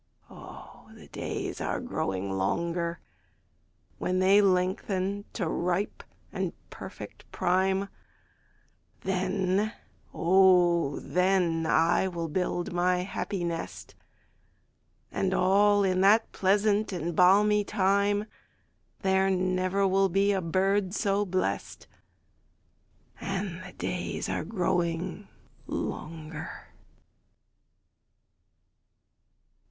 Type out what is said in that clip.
Oh, the days are growing longer; When they lengthen to ripe and perfect prime, Then, oh, then, I will build my happy nest; And all in that pleasant and balmy time, There never will be a bird so blest; And the days are growing longer.